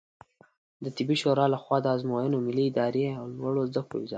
د طبي شورا له خوا د آزموینو ملي ادارې او لوړو زده کړو وزارت